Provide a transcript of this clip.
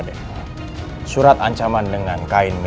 beristana kandang wari